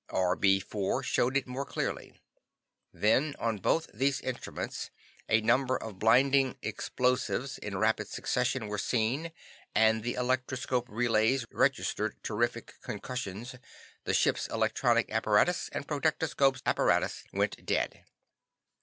RB 4 showed it more clearly. Then on both these instruments, a number of blinding explosives in rapid succession were seen and the electrophone relays registered terrific concussions; the ship's electronic apparatus and projectoscopes apparatus went dead.